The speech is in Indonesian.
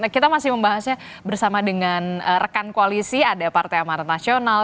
kita masih membahasnya bersama dengan rekan koalisi ada partai amarat nasional